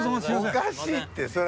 おかしいってそれ。